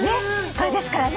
これですからね。